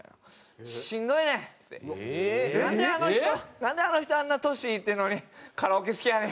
「なんであの人あんな年いってんのにカラオケ好きやねん」。